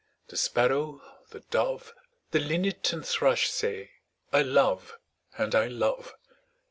The Sparrow, the Dove, The Linnet and Thrush say, 'I love and I love!'